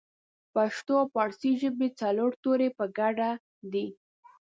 پښتو او پارسۍ ژبې څلور توري په ګډه دي